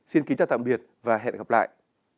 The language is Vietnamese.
xin kính chào tạm biệt và hẹn gặp lại